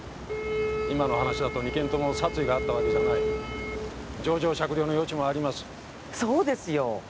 今の話だと２件とも殺意があったわけじゃない情状酌量の余地もありますそうですよ